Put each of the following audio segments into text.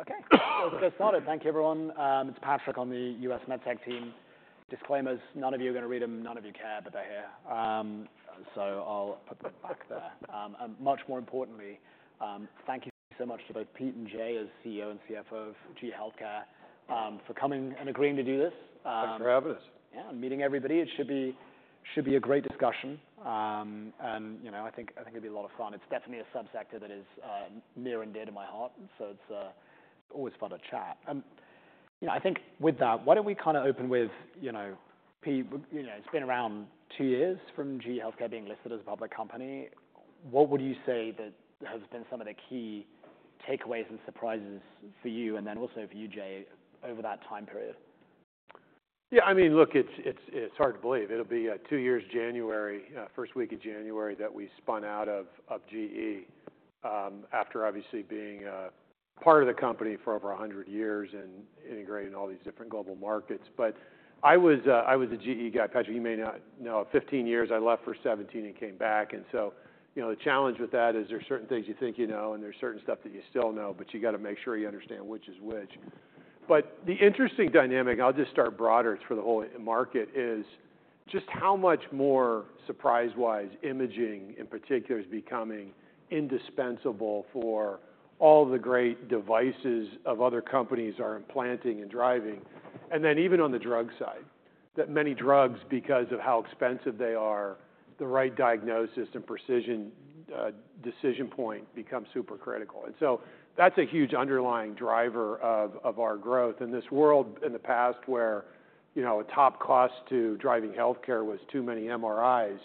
Okay, let's get started. Thank you, everyone. It's Patrick on the US MedTech team. Disclaimers, none of you are going to read them, none of you care, but they're here. So I'll put them back there, and much more importantly, thank you so much to both Pete and Jay, as CEO and CFO of GE HealthCare, for coming and agreeing to do this. Thanks for having us. Yeah, and meeting everybody. It should be a great discussion, and you know, I think it'll be a lot of fun. It's definitely a subsector that is near and dear to my heart, so it's always fun to chat. You know, I think with that, why don't we kind of open with, you know, Pete, you know, it's been around two years from GE HealthCare being listed as a public company. What would you say that has been some of the key takeaways and surprises for you, and then also for you, Jay, over that time period? Yeah, I mean, look, it's hard to believe. It'll be two years, January, first week of January, that we spun out of GE, after obviously being part of the company for over 100 years and integrating all these different global markets. But I was a GE guy. Patrick, you may not know, 15 years, I left for 17 and came back. And so, you know, the challenge with that is there are certain things you think you know, and there's certain stuff that you still know, but you got to make sure you understand which is which. But the interesting dynamic, I'll just start broader for the whole market, is just how much more surprise-wise imaging, in particular, is becoming indispensable for all the great devices of other companies are implanting and driving. And then even on the drug side, that many drugs, because of how expensive they are, the right diagnosis and precision decision point becomes super critical. And so that's a huge underlying driver of our growth. In this world, in the past, where, you know, a top cost to driving healthcare was too many MRIs,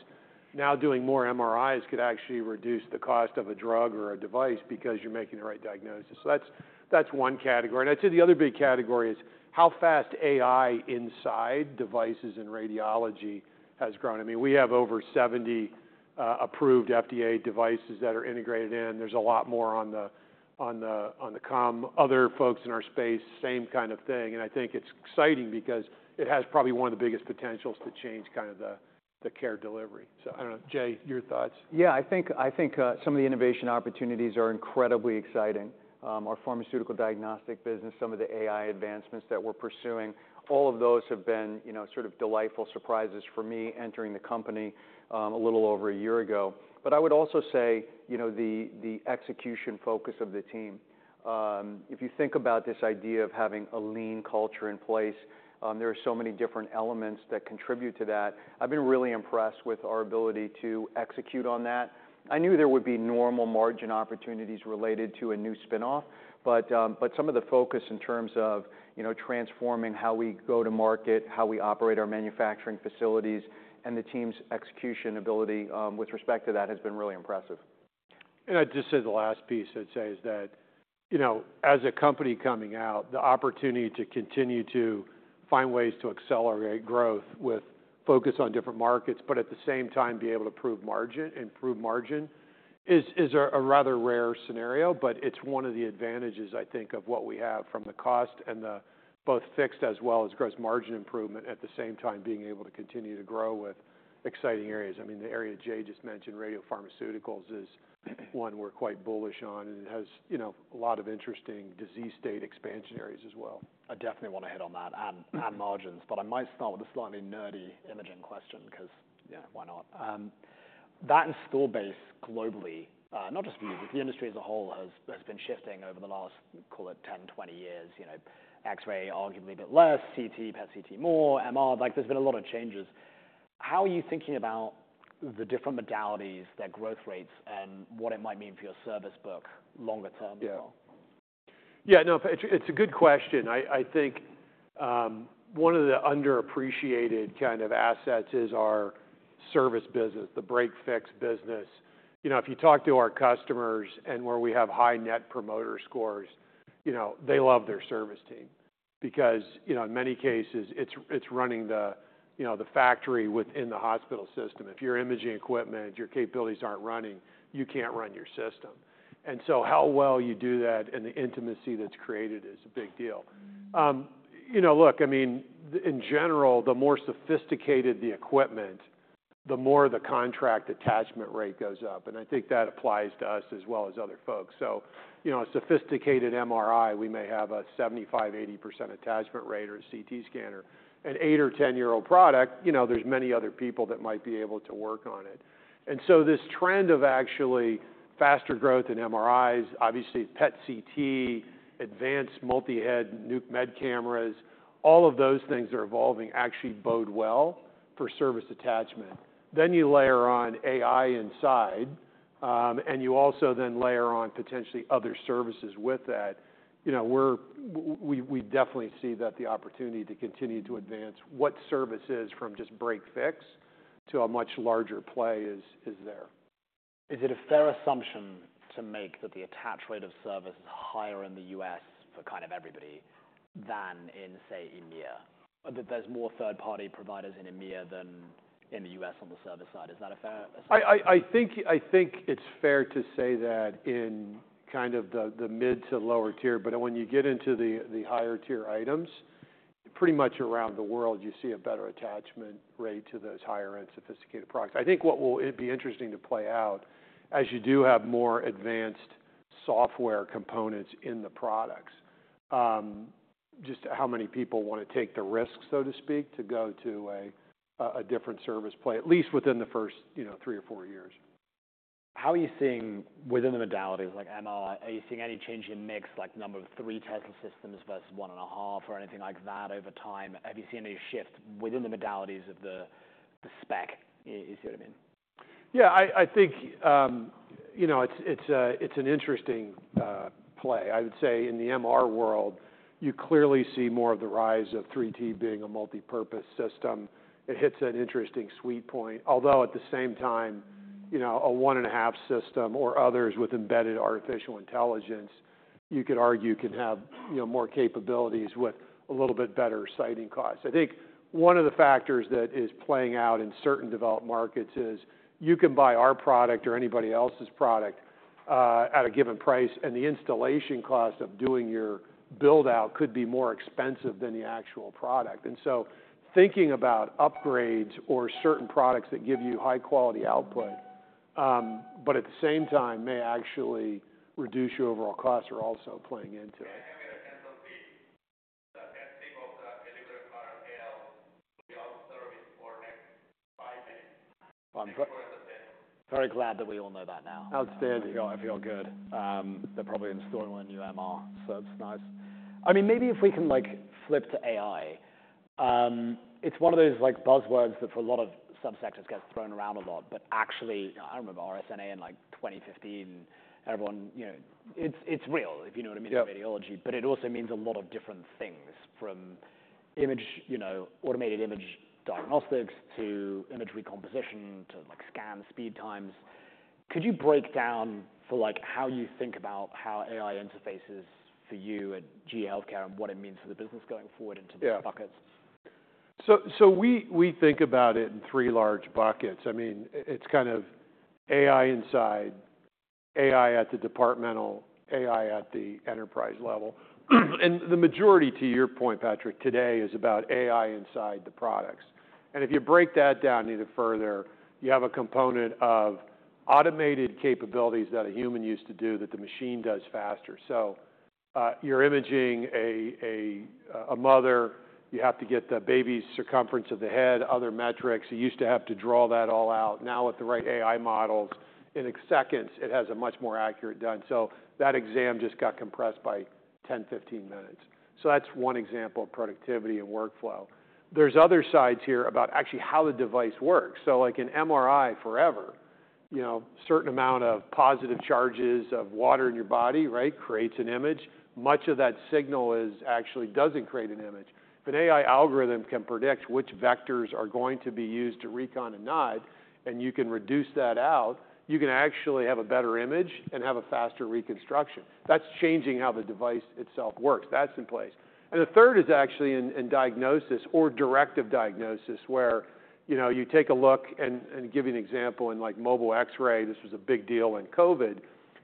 now doing more MRIs could actually reduce the cost of a drug or a device because you're making the right diagnosis. So that's one category. And I'd say the other big category is how fast AI inside devices in radiology has grown. I mean, we have over seventy approved FDA devices that are integrated in. There's a lot more on the come. Other folks in our space, same kind of thing, and I think it's exciting because it has probably one of the biggest potentials to change kind of the care delivery. So I don't know, Jay, your thoughts? Yeah, I think some of the innovation opportunities are incredibly exciting. Our pharmaceutical diagnostic business, some of the AI advancements that we're pursuing, all of those have been, you know, sort of delightful surprises for me entering the company a little over a year ago. But I would also say, you know, the execution focus of the team. If you think about this idea of having a lean culture in place, there are so many different elements that contribute to that. I've been really impressed with our ability to execute on that. I knew there would be normal margin opportunities related to a new spin-off, but some of the focus in terms of, you know, transforming how we go to market, how we operate our manufacturing facilities and the team's execution ability, with respect to that, has been really impressive. I'd just say the last piece I'd say is that, you know, as a company coming out, the opportunity to continue to find ways to accelerate growth with focus on different markets, but at the same time, be able to improve margin, improve margin, is a rather rare scenario, but it's one of the advantages, I think, of what we have from the cost and the both fixed as well as gross margin improvement, at the same time, being able to continue to grow with exciting areas. I mean, the area Jay just mentioned, radiopharmaceuticals, is one we're quite bullish on, and it has, you know, a lot of interesting disease state expansion areas as well. I definitely want to hit on that and margins, but I might start with a slightly nerdy imaging question, because, yeah, why not? That install base globally, not just for you, but the industry as a whole has been shifting over the last, call it 10, 20 years. You know, X-ray, arguably a bit less, CT, PET CT, more, MR. Like, there's been a lot of changes. How are you thinking about the different modalities, their growth rates, and what it might mean for your service book longer term as well? Yeah. Yeah, no, it's a good question. I think one of the underappreciated kind of assets is our service business, the break-fix business. You know, if you talk to our customers and where we have high Net Promoter Scores, you know, they love their service team because, you know, in many cases it's running the, you know, the factory within the hospital system. If your imaging equipment, your capabilities aren't running, you can't run your system. And so how well you do that and the intimacy that's created is a big deal. You know, look, I mean, in general, the more sophisticated the equipment, the more the contract attachment rate goes up, and I think that applies to us as well as other folks. So, you know, a sophisticated MRI, we may have a 75%-80% attachment rate, or a CT scanner. An eight or 10-year-old product, you know, there's many other people that might be able to work on it. And so this trend of actually faster growth in MRIs, obviously PET CT, advanced multi-head nuke med cameras, all of those things are evolving, actually bode well for service attachment. Then you layer on AI inside, and you also then layer on potentially other services with that. You know, we're, we definitely see that the opportunity to continue to advance what service is from just break-fix to a much larger play is there. Is it a fair assumption to make that the attach rate of service is higher in the U.S. for kind of everybody than in, say, EMEA? That there's more third-party providers in EMEA than in the U.S. on the service side. Is that a fair assumption? I think it's fair to say that in kind of the mid to lower tier, but when you get into the higher tier items pretty much around the world, you see a better attachment rate to those higher-end sophisticated products. I think what will be interesting to play out, as you do have more advanced software components in the products, just how many people want to take the risk, so to speak, to go to a different service play, at least within the first, you know, three or four years. How are you seeing within the modalities, like MR, are you seeing any change in mix, like number 3 Tesla systems versus 1.5 or anything like that over time? Have you seen any shift within the modalities of the spec? You see what I mean? Yeah, I think, you know, it's an interesting play. I would say in the MR world, you clearly see more of the rise of 3 T being a multipurpose system. It hits an interesting sweet point, although at the same time, you know, a one-and-a-half system or others with embedded artificial intelligence, you could argue, can have, you know, more capabilities with a little bit better siting costs. I think one of the factors that is playing out in certain developed markets is, you can buy our product or anybody else's product at a given price, and the installation cost of doing your build-out could be more expensive than the actual product. And so thinking about upgrades or certain products that give you high quality output, but at the same time may actually reduce your overall costs, are also playing into it. I'm very glad that we all know that now. Outstanding. I feel good. They're probably installing a new MR, so it's nice. I mean, maybe if we can like flip to AI. It's one of those like buzzwords that for a lot of subsectors gets thrown around a lot, but actually, I remember RSNA in like 2015, everyone, you know. It's real, if you know what I mean. Yeah in radiology, but it also means a lot of different things, from image, you know, automated image diagnostics to image recomposition, to like scan speed times. Could you break down for like, how you think about how AI interfaces for you at GE HealthCare and what it means for the business going forward into the buckets? Yeah. So we think about it in three large buckets. I mean, it's kind of AI inside, AI at the departmental, AI at the enterprise level. And the majority, to your point, Patrick, today, is about AI inside the products. And if you break that down even further, you have a component of automated capabilities that a human used to do, that the machine does faster. So you're imaging a mother, you have to get the baby's circumference of the head, other metrics. You used to have to draw that all out. Now, with the right AI models, in seconds, it has a much more accurate done. So that exam just got compressed by 10-15 minutes. So that's one example of productivity and workflow. There's other sides here about actually how the device works. So like an MRI forever, you know, certain amount of positive charges of water in your body, right, creates an image. Much of that signal is actually doesn't create an image. But AI algorithm can predict which vectors are going to be used to recon a node, and you can reduce that out. You can actually have a better image and have a faster reconstruction. That's changing how the device itself works. That's in place. And the third is actually in diagnosis or directive diagnosis, where, you know, you take a look. And give you an example, in like mobile X-ray, this was a big deal in COVID,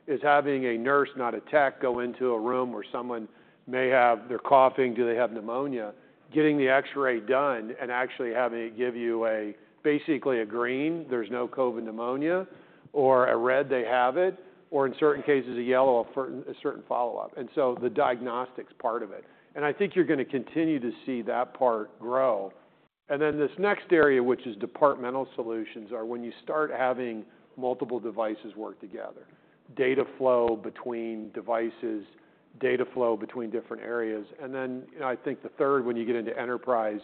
is having a nurse, not a tech, go into a room where someone may have. They're coughing. Do they have pneumonia? Getting the X-ray done and actually having it give you basically a green, there's no COVID pneumonia, or a red, they have it, or in certain cases, a yellow, a certain follow-up, and so the diagnostics part of it, and I think you're going to continue to see that part grow, and then this next area, which is departmental solutions, are when you start having multiple devices work together, data flow between devices, data flow between different areas, and then, you know, I think the third, when you get into enterprise,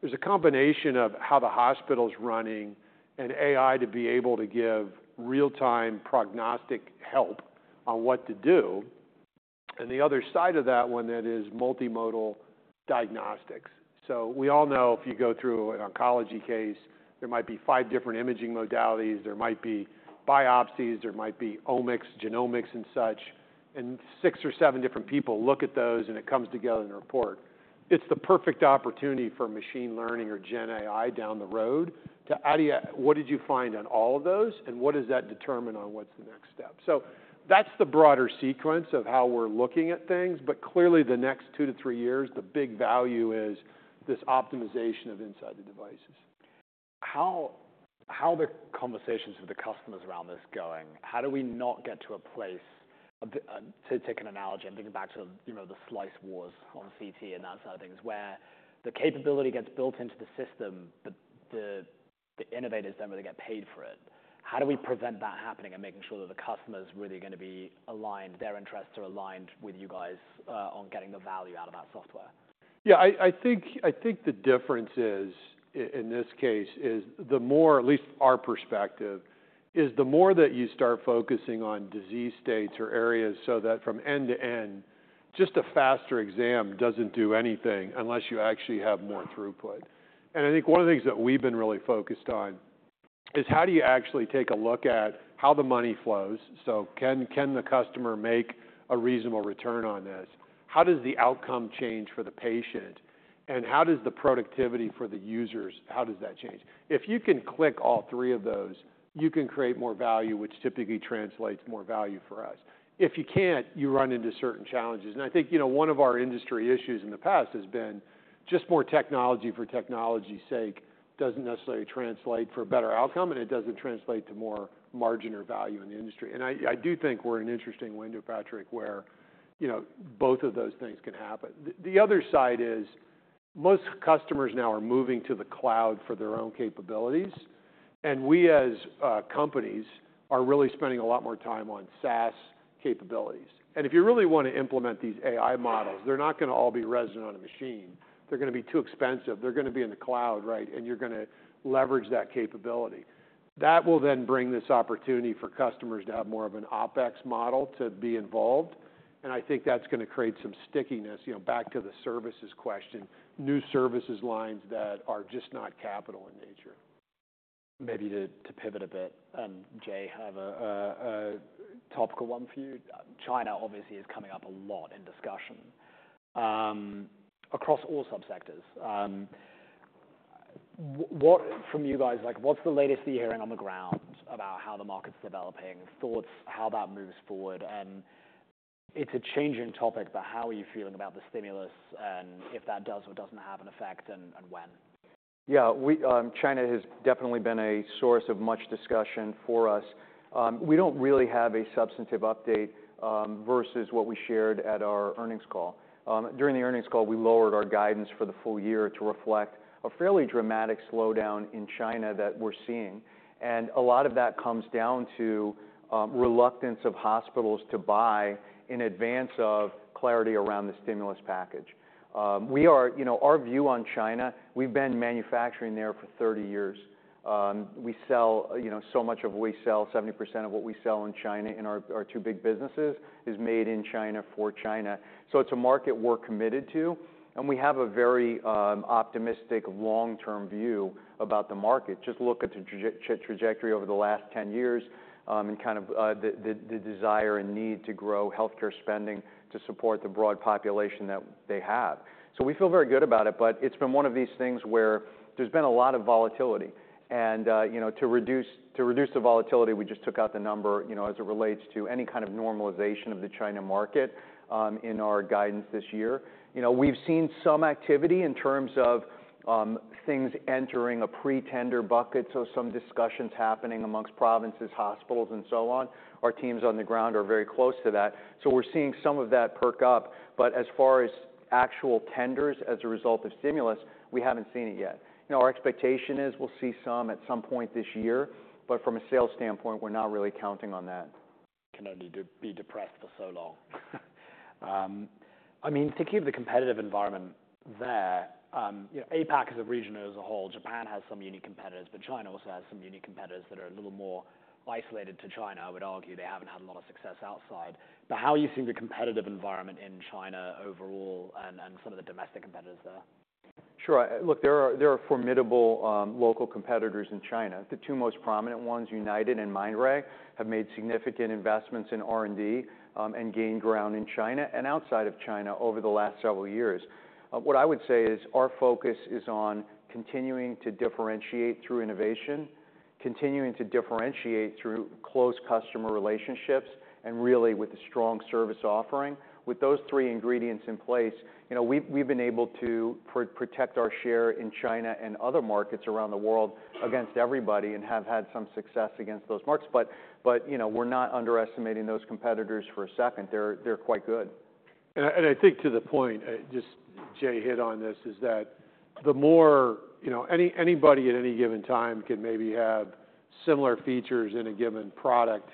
there's a combination of how the hospital's running and AI to be able to give real-time prognostic help on what to do, and the other side of that one, that is multimodal diagnostics. So we all know, if you go through an oncology case, there might be five different imaging modalities, there might be biopsies, there might be omics, genomics and such, and six or seven different people look at those, and it comes together in a report. It's the perfect opportunity for machine learning or gen AI down the road to how do you - what did you find on all of those, and what does that determine on what's the next step? So that's the broader sequence of how we're looking at things. But clearly, the next two to three years, the big value is this optimization of inside the devices. How are the conversations with the customers around this going? How do we not get to a place to take an analogy and think back to, you know, the slice wars on CT and that side of things, where the capability gets built into the system, but the innovators don't really get paid for it? How do we prevent that happening and making sure that the customer is really going to be aligned, their interests are aligned with you guys, on getting the value out of that software? Yeah, I think the difference is, in this case, the more, at least our perspective, the more that you start focusing on disease states or areas so that from end to end, just a faster exam doesn't do anything unless you actually have more throughput. And I think one of the things that we've been really focused on is how do you actually take a look at how the money flows? So can the customer make a reasonable return on this? How does the outcome change for the patient, and how does the productivity for the users, how does that change? If you can click all three of those, you can create more value, which typically translates more value for us. If you can't, you run into certain challenges. And I think, you know, one of our industry issues in the past has been just more technology for technology's sake, doesn't necessarily translate for a better outcome, and it doesn't translate to more margin or value in the industry. And I do think we're an interesting window, Patrick, where, you know, both of those things can happen. The other side is most customers now are moving to the cloud for their own capabilities, and we, as companies, are really spending a lot more time on SaaS capabilities. And if you really want to implement these AI models, they're not gonna all be resident on a machine. They're gonna be too expensive. They're gonna be in the cloud, right? And you're gonna leverage that capability. That will then bring this opportunity for customers to have more of an OpEx model to be involved, and I think that's gonna create some stickiness, you know, back to the services question, new services lines that are just not CapEx in nature. Maybe to pivot a bit, and Jay, have a topical one for you. China obviously is coming up a lot in discussion across all subsectors. What from you guys, like, what's the latest you're hearing on the ground about how the market's developing, thoughts, how that moves forward? And it's a changing topic, but how are you feeling about the stimulus, and if that does or doesn't have an effect, and when? Yeah, China has definitely been a source of much discussion for us. We don't really have a substantive update versus what we shared at our earnings call. During the earnings call, we lowered our guidance for the full year to reflect a fairly dramatic slowdown in China that we're seeing. And a lot of that comes down to reluctance of hospitals to buy in advance of clarity around the stimulus package. You know, our view on China, we've been manufacturing there for thirty years. We sell, you know, so much of what we sell, 70% of what we sell in China, in our two big businesses, is made in China for China. So it's a market we're committed to, and we have a very optimistic long-term view about the market. Just look at the trajectory over the last ten years, and kind of the desire and need to grow healthcare spending to support the broad population that they have. So we feel very good about it, but it's been one of these things where there's been a lot of volatility. And you know, to reduce the volatility, we just took out the number, you know, as it relates to any kind of normalization of the China market in our guidance this year. You know, we've seen some activity in terms of things entering a pre-tender bucket, so some discussions happening among provinces, hospitals, and so on. Our teams on the ground are very close to that. So we're seeing some of that perk up, but as far as actual tenders as a result of stimulus, we haven't seen it yet. You know, our expectation is we'll see some at some point this year, but from a sales standpoint, we're not really counting on that. Can only be depressed for so long. I mean, thinking of the competitive environment there, you know, APAC as a region, as a whole, Japan has some unique competitors, but China also has some unique competitors that are a little more isolated to China. I would argue they haven't had a lot of success outside. But how are you seeing the competitive environment in China overall and some of the domestic competitors there? Sure. Look, there are formidable local competitors in China. The two most prominent ones, United and Mindray, have made significant investments in R&D and gained ground in China and outside of China over the last several years. What I would say is, our focus is on continuing to differentiate through innovation, continuing to differentiate through close customer relationships, and really, with a strong service offering. With those three ingredients in place, you know, we've been able to protect our share in China and other markets around the world against everybody and have had some success against those markets. But you know, we're not underestimating those competitors for a second. They're quite good. And I think to the point, just Jay hit on this, is that the more... You know, anybody at any given time can maybe have similar features in a given product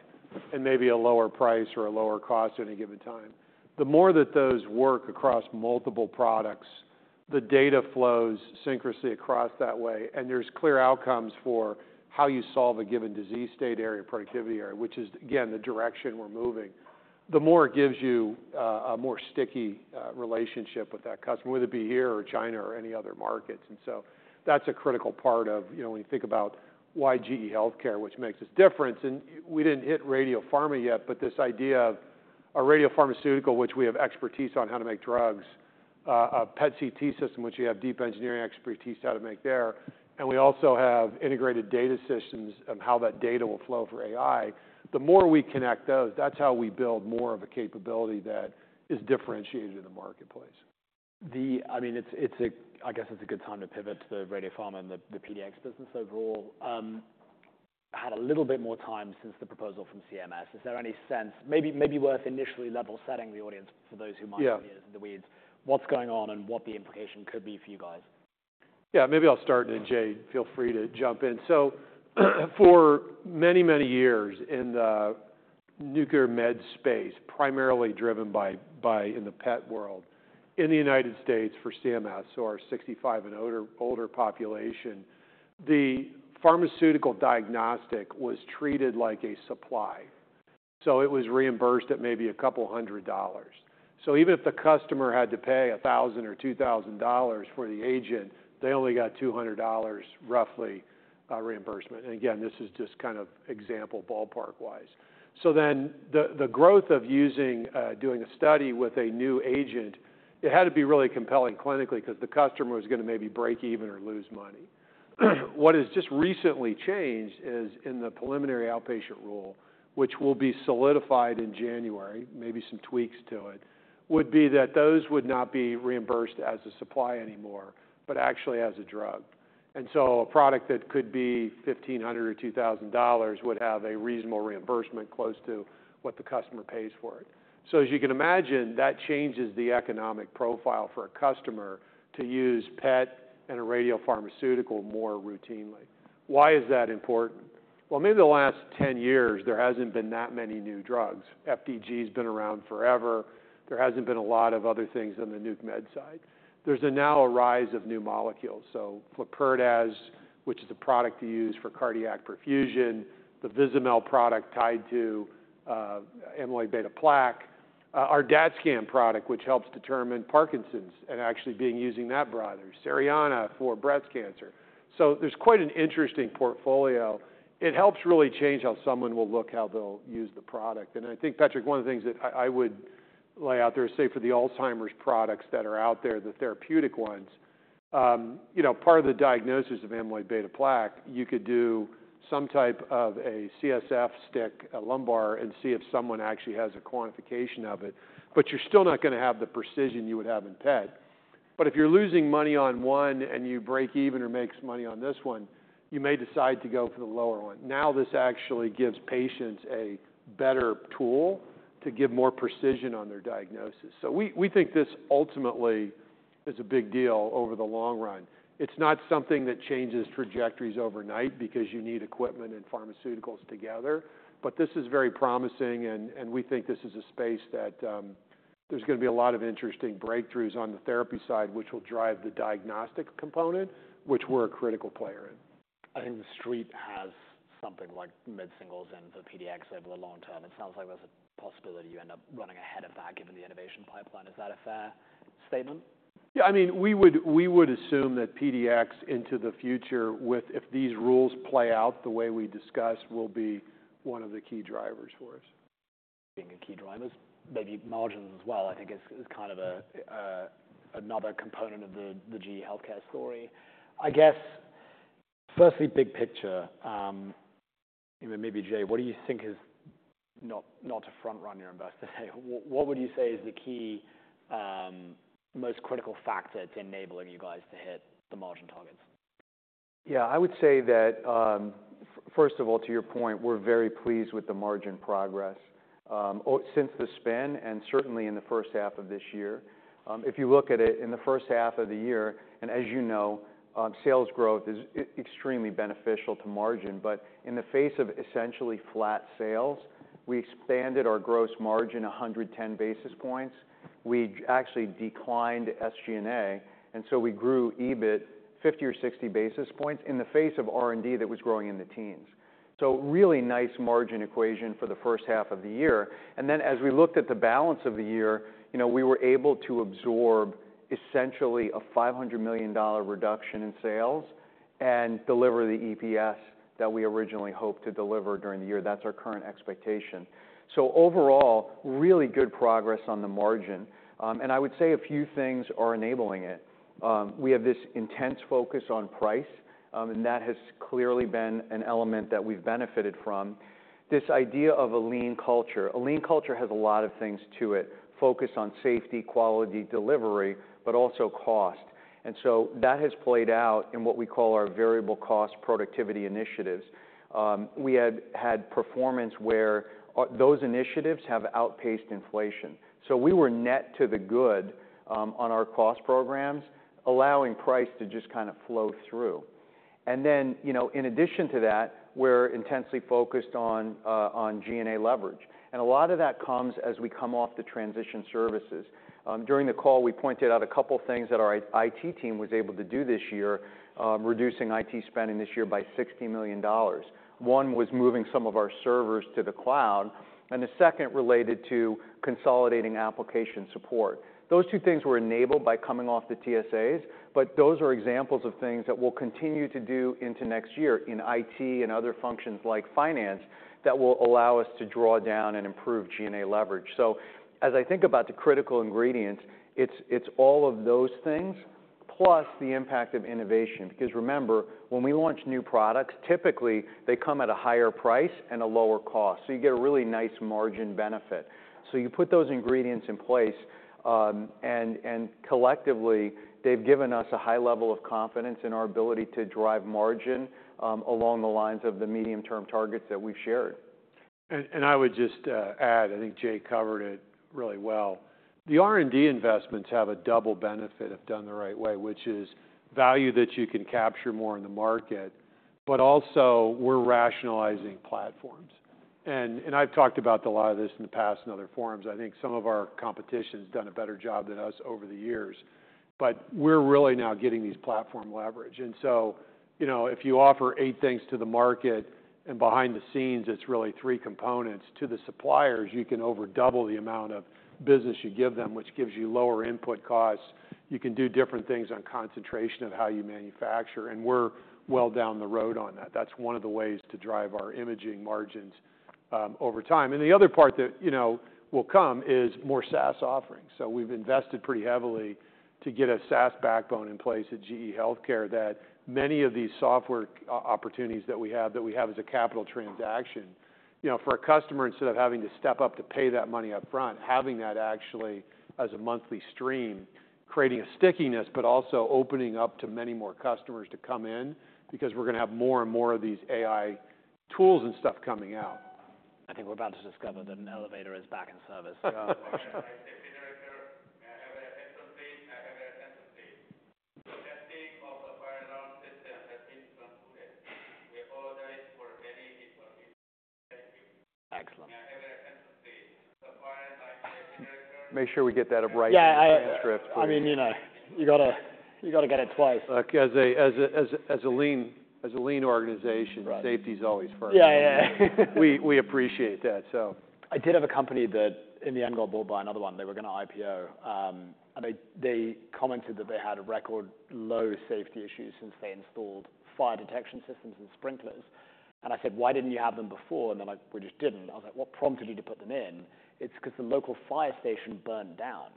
and maybe a lower price or a lower cost at any given time. The more that those work across multiple products, the data flows synchronously across that way, and there's clear outcomes for how you solve a given disease state area, productivity area, which is, again, the direction we're moving. The more it gives you a more sticky relationship with that customer, whether it be here or China or any other markets. And so that's a critical part of, you know, when you think about why GE HealthCare, which makes us different. We didn't hit radiopharma yet, but this idea of a radiopharmaceutical, which we have expertise on how to make drugs, a PET CT system, which you have deep engineering expertise, how to make there, and we also have integrated data systems on how that data will flow for AI. The more we connect those, that's how we build more of a capability that is differentiated in the marketplace. I mean, it's a good time to pivot to the radiopharma and the PDX business overall. Had a little bit more time since the proposal from CMS. Is there any sense? Maybe worth initially level setting the audience for those who might- Yeah... be in the weeds. What's going on and what the implication could be for you guys? Yeah, maybe I'll start, and Jay, feel free to jump in. So for many, many years in the nuclear med space, primarily driven by in the PET world, in the United States for CMS, so our 65 and older population, the pharmaceutical diagnostic was treated like a supply, so it was reimbursed at maybe $200. So even if the customer had to pay $1,000 or $2,000 for the agent, they only got $200, roughly, reimbursement. And again, this is just kind of example, ballpark-wise. So then the growth of doing a study with a new agent, it had to be really compelling clinically, because the customer was gonna maybe break even or lose money. What has just recently changed is, in the preliminary outpatient rule, which will be solidified in January, maybe some tweaks to it, would be that those would not be reimbursed as a supply anymore, but actually as a drug. And so a product that could be $1,500 or $2,000 would have a reasonable reimbursement, close to what the customer pays for it. So as you can imagine, that changes the economic profile for a customer to use PET and a radiopharmaceutical more routinely. Why is that important? Well, maybe the last ten years, there hasn't been that many new drugs. FDG has been around forever. There hasn't been a lot of other things on the nuke med side. There's now a rise of new molecules. So Flurpiridaz, which is a product you use for cardiac perfusion, the Vizamyl product tied to amyloid beta plaque, our DaTscan product, which helps determine Parkinson's and actually being using that brother, Cerianna, for breast cancer. So there's quite an interesting portfolio. It helps really change how someone will look, how they'll use the product. And I think, Patrick, one of the things that I would lay out there is, say, for the Alzheimer's products that are out there, the therapeutic ones, you know, part of the diagnosis of amyloid beta plaque, you could do some type of a CSF stick, a lumbar, and see if someone actually has a quantification of it, but you're still not gonna have the precision you would have in PET. But if you're losing money on one and you break even or makes money on this one, you may decide to go for the lower one. Now, this actually gives patients a better tool to give more precision on their diagnosis. So we think this ultimately is a big deal over the long run. It's not something that changes trajectories overnight because you need equipment and pharmaceuticals together, but this is very promising, and we think this is a space that there's gonna be a lot of interesting breakthroughs on the therapy side, which will drive the diagnostic component, which we're a critical player in. I think the street has something like mid-singles and the PDX over the long term. It sounds like there's a possibility you end up running ahead of that, given the innovation pipeline. Is that a fair statement? Yeah, I mean, we would assume that PDX into the future with... If these rules play out the way we discussed, will be one of the key drivers for us. Being a key driver, maybe margins as well, I think is kind of another component of the GE HealthCare story. I guess, firstly, big picture, and then maybe, Jay, what do you think is not to front-run your investor? What would you say is the key, most critical factor to enabling you guys to hit the margin targets? Yeah, I would say that, first of all, to your point, we're very pleased with the margin progress, since the spin, and certainly in the first half of this year. If you look at it, in the first half of the year, and as you know, sales growth is extremely beneficial to margin. But in the face of essentially flat sales, we expanded our gross margin 110 basis points. We actually declined SG&A, and so we grew EBIT 50 or 60 basis points in the face of R&D that was growing in the teens. So really nice margin equation for the first half of the year. And then, as we looked at the balance of the year, you know, we were able to absorb essentially a $500 million reduction in sales and deliver the EPS that we originally hoped to deliver during the year. That's our current expectation. So overall, really good progress on the margin. And I would say a few things are enabling it. We have this intense focus on price, and that has clearly been an element that we've benefited from. This idea of a lean culture. A lean culture has a lot of things to it: focus on safety, quality, delivery, but also cost. And so that has played out in what we call our variable cost productivity initiatives. We had performance where those initiatives have outpaced inflation, so we were net to the good on our cost programs, allowing price to just kind of flow through. And then, you know, in addition to that, we're intensely focused on G&A leverage, and a lot of that comes as we come off the transition services. During the call, we pointed out a couple of things that our IT team was able to do this year, reducing IT spending this year by $60 million. One was moving some of our servers to the cloud, and the second related to consolidating application support. Those two things were enabled by coming off the TSAs, but those are examples of things that we'll continue to do into next year in IT and other functions like finance, that will allow us to draw down and improve G&A leverage. So as I think about the critical ingredients, it's all of those things, plus the impact of innovation. Because remember, when we launch new products, typically they come at a higher price and a lower cost, so you get a really nice margin benefit. So you put those ingredients in place, and collectively, they've given us a high level of confidence in our ability to drive margin, along the lines of the medium-term targets that we've shared. I would just add, I think Jay covered it really well. The R&D investments have a double benefit if done the right way, which is value that you can capture more in the market. But also, we're rationalizing platforms. I've talked about a lot of this in the past in other forums. I think some of our competition has done a better job than us over the years, but we're really now getting these platform leverage. And so, you know, if you offer eight things to the market, and behind the scenes, it's really three components to the suppliers, you can over double the amount of business you give them, which gives you lower input costs. You can do different things on concentration and how you manufacture, and we're well down the road on that. That's one of the ways to drive our imaging margins over time, and the other part that, you know, will come is more SaaS offerings, so we've invested pretty heavily to get a SaaS backbone in place at GE HealthCare, that many of these software opportunities that we have as a capital transaction. You know, for a customer, instead of having to step up to pay that money upfront, having that actually as a monthly stream, creating a stickiness, but also opening up to many more customers to come in, because we're gonna have more and more of these AI tools and stuff coming out.... I think we're about to discover that an elevator is back in service. Excellent. Make sure we get that upright in the transcript. Yeah, I mean, you know, you gotta get it twice. Like, as a lean organization- Right Safety is always first. Yeah, yeah, We appreciate that, so. I did have a company that in the end, got bought by another one. They were gonna IPO, and they commented that they had a record low safety issue since they installed fire detection systems and sprinklers. And I said: "Why didn't you have them before?" And they're like: "We just didn't." I was like: "What prompted you to put them in?" "It's 'cause the local fire station burned down,"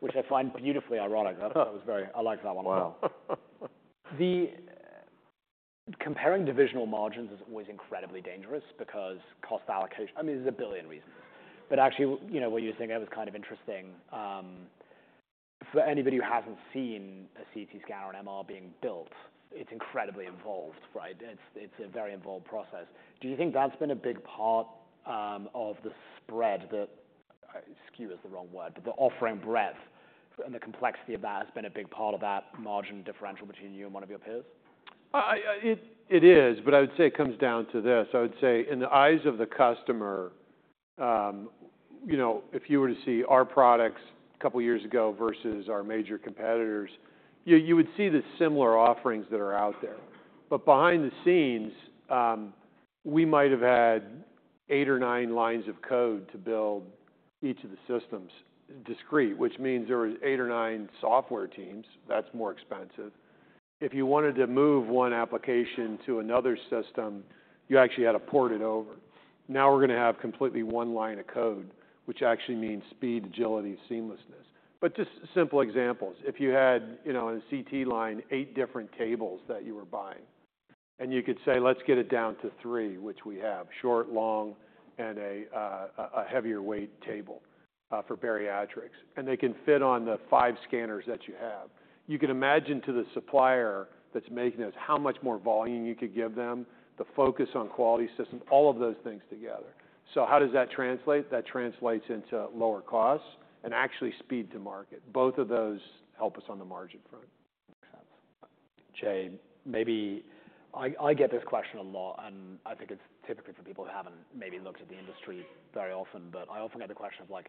which I find beautifully ironic. That was very... I like that one a lot. Wow. Comparing divisional margins is always incredibly dangerous because cost allocation. I mean, there's a billion reasons. But actually, you know, what you were saying, that was kind of interesting. For anybody who hasn't seen a CT scanner or MR being built, it's incredibly involved, right? It's a very involved process. Do you think that's been a big part of the spread that skew is the wrong word, but the offering breadth and the complexity of that has been a big part of that margin differential between you and one of your peers? It is, but I would say it comes down to this. I would say, in the eyes of the customer, you know, if you were to see our products a couple of years ago versus our major competitors, you would see the similar offerings that are out there. But behind the scenes, we might have had eight or nine lines of code to build each of the systems discrete, which means there was eight or nine software teams. That's more expensive. If you wanted to move one application to another system, you actually had to port it over. Now, we're gonna have completely one line of code, which actually means speed, agility, seamlessness. But just simple examples. If you had, you know, a CT line, eight different tables that you were buying, and you could say, "Let's get it down to three," which we have: short, long, and a heavier weight table for bariatrics, and they can fit on the five scanners that you have. You can imagine to the supplier that's making this, how much more volume you could give them, the focus on quality systems, all of those things together. So how does that translate? That translates into lower costs and actually speed to market. Both of those help us on the margin front. Makes sense. Jay, maybe I get this question a lot, and I think it's typically from people who haven't maybe looked at the industry very often, but I often get the question of like,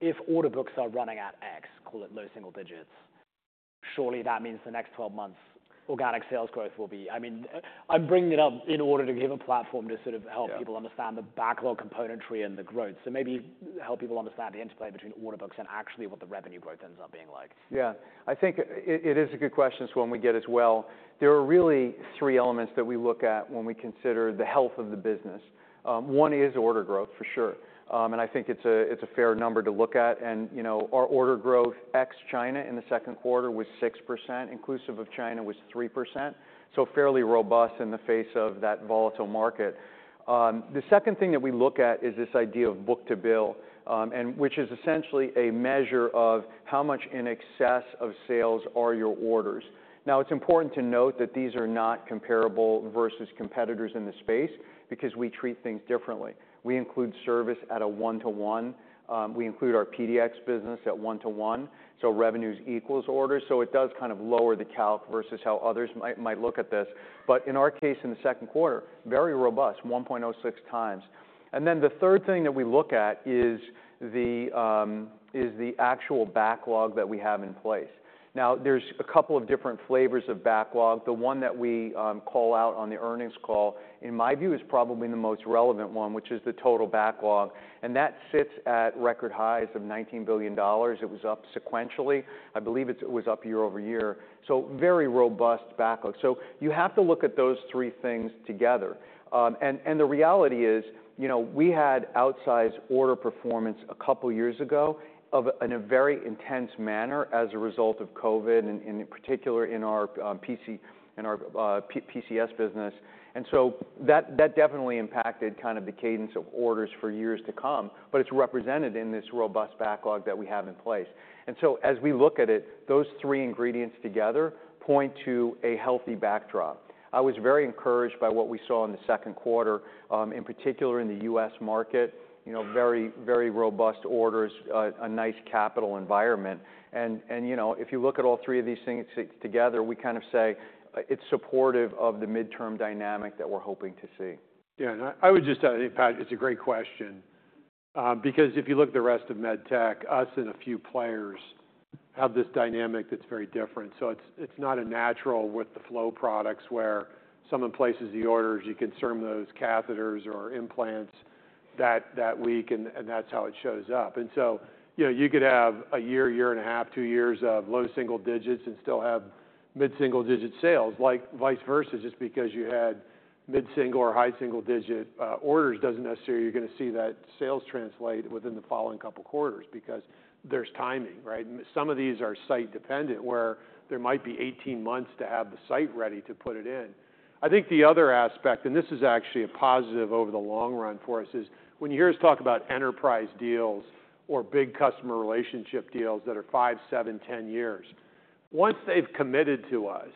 if order books are running at X, call it low single digits, surely that means the next 12 months, organic sales growth will be... I mean, I'm bringing it up in order to give a platform to sort of help- Yeah People understand the backlog componentry and the growth, so maybe help people understand the interplay between order books and actually what the revenue growth ends up being like. Yeah. I think it is a good question, so when we get to it as well, there are really three elements that we look at when we consider the health of the business. One is order growth, for sure. And I think it's a fair number to look at, and you know, our order growth, ex-China, in the second quarter was 6%, inclusive of China was 3%, so fairly robust in the face of that volatile market. The second thing that we look at is this idea of book-to-bill, and which is essentially a measure of how much in excess of sales are your orders. Now, it's important to note that these are not comparable versus competitors in the space, because we treat things differently. We include service at a one-to-one. We include our PDX business at one-to-one, so revenues equals orders, so it does kind of lower the calc versus how others might look at this. But in our case, in the second quarter, very robust, 1.06x. And then the third thing that we look at is the actual backlog that we have in place. Now, there's a couple of different flavors of backlog. The one that we call out on the earnings call, in my view, is probably the most relevant one, which is the total backlog, and that sits at record highs of $19 billion. It was up sequentially. I believe it was up year-over-year, so very robust backlog. So you have to look at those three things together. And the reality is, you know, we had outsized order performance a couple of years ago, in a very intense manner as a result of COVID, and in particular, in our PCS business. And so that definitely impacted kind of the cadence of orders for years to come, but it's represented in this robust backlog that we have in place. And so as we look at it, those three ingredients together point to a healthy backdrop. I was very encouraged by what we saw in the second quarter, in particular in the U.S. market, you know, very, very robust orders, a nice capital environment. And you know, if you look at all three of these things together, we kind of say it's supportive of the midterm dynamic that we're hoping to see. Yeah, and I, I would just add, Pat, it's a great question, because if you look at the rest of med tech, us and a few players have this dynamic that's very different. So it's, it's not a natural with the flow products, where someone places the orders, you can serve those catheters or implants that, that week, and, and that's how it shows up. And so, you know, you could have a year, year and a half, two years of low single digits and still have mid-single digit sales, like vice versa. Just because you had mid-single or high single digit orders, doesn't necessarily you're gonna see that sales translate within the following couple of quarters, because there's timing, right? Some of these are site-dependent, where there might be 18 months to have the site ready to put it in. I think the other aspect, and this is actually a positive over the long run for us, is when you hear us talk about enterprise deals or big customer relationship deals that are five, seven, 10 years. Once they've committed to us,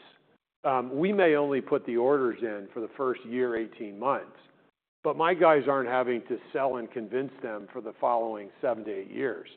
we may only put the orders in for the first year, 18 months, but my guys aren't having to sell and convince them for the following seven to eight years.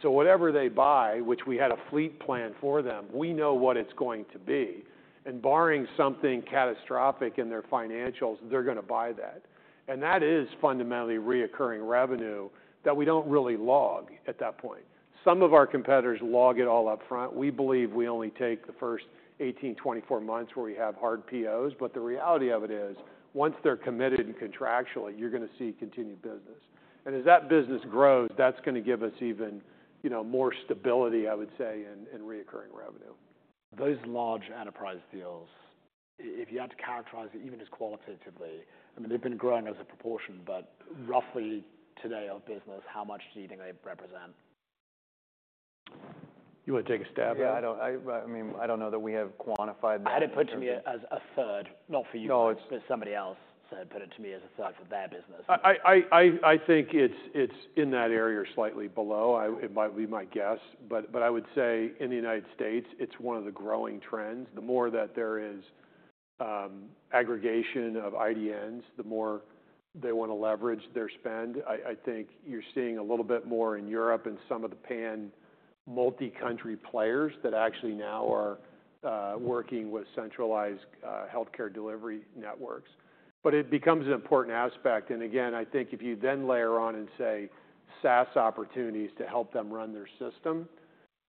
So whatever they buy, which we had a fleet plan for them, we know what it's going to be, and barring something catastrophic in their financials, they're going to buy that. And that is fundamentally recurring revenue that we don't really log at that point. Some of our competitors log it all up front. We believe we only take the first 18, 24 months where we have hard POs, but the reality of it is, once they're committed and contractually, you're going to see continued business. And as that business grows, that's going to give us even, you know, more stability, I would say, in recurring revenue. Those large enterprise deals, if you had to characterize it, even just qualitatively, I mean, they've been growing as a proportion, but roughly today of business, how much do you think they represent? You want to take a stab at it? Yeah, I don't... I mean, I don't know that we have quantified that. I had it to me as a third, not for you- No - but somebody else said, put it to me as a third for their business. I think it's in that area or slightly below. It might be my guess, but I would say in the United States, it's one of the growing trends. The more that there is aggregation of IDNs, the more they want to leverage their spend. I think you're seeing a little bit more in Europe and some of the pan multicountry players that actually now are working with centralized healthcare delivery networks. But it becomes an important aspect, and again, I think if you then layer on and say SaaS opportunities to help them run their system,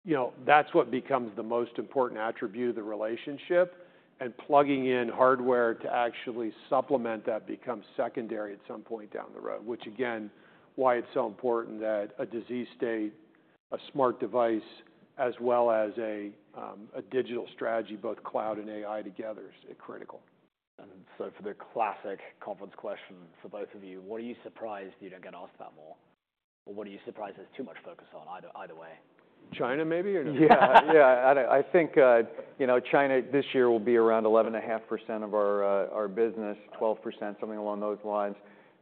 you know, that's what becomes the most important attribute of the relationship, and plugging in hardware to actually supplement that becomes secondary at some point down the road, which again, why it's so important that a disease state, a smart device, as well as a, a digital strategy, both cloud and AI together, is critical. And so for the classic conference question for both of you, what are you surprised you don't get asked about more? Or what are you surprised there's too much focus on, either, either way? China, maybe? Yeah, yeah. I think, you know, China, this year, will be around 11.5% of our business, 12%, something along those lines,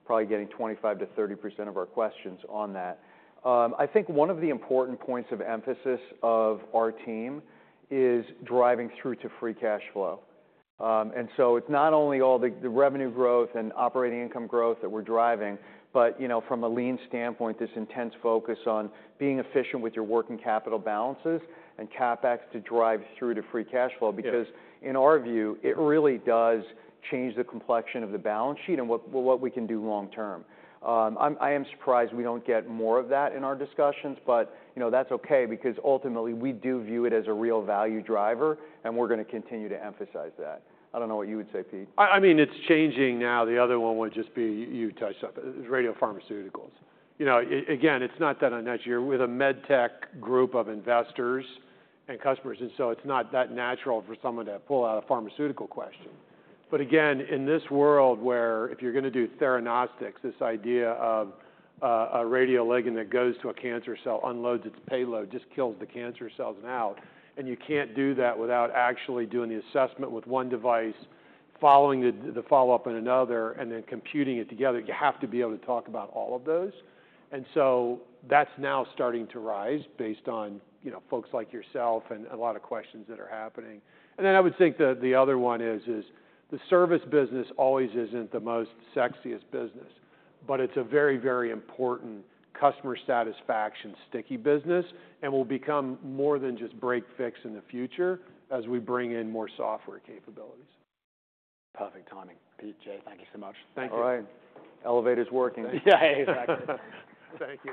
probably getting 25%-30% of our questions on that. I think one of the important points of emphasis of our team is driving through to free cash flow. And so it's not only all the revenue growth and operating income growth that we're driving, but, you know, from a lean standpoint, this intense focus on being efficient with your working capital balances and CapEx to drive through to free cash flow. Yeah. Because in our view, it really does change the complexion of the balance sheet and what we can do long term. I am surprised we don't get more of that in our discussions, but, you know, that's okay because ultimately, we do view it as a real value driver, and we're going to continue to emphasize that. I don't know what you would say, Pete. I mean, it's changing now. The other one would just be, you touched on it, radiopharmaceuticals. You know, again, it's not that unnatural. We're with a med tech group of investors and customers, and so it's not that natural for someone to pull out a pharmaceutical question. But again, in this world where if you're going to do theranostics, this idea of a radioligand that goes to a cancer cell, unloads its payload, just kills the cancer cells out, and you can't do that without actually doing the assessment with one device, following the follow-up in another, and then computing it together. You have to be able to talk about all of those. And so that's now starting to rise based on, you know, folks like yourself and a lot of questions that are happening. I would think the other one is the service business. It always isn't the most sexiest business, but it's a very, very important customer satisfaction sticky business and will become more than just break fix in the future as we bring in more software capabilities. Perfect timing. Pete, Jay, thank you so much. Thank you. All right. Elevator's working. Yeah, exactly. Thank you.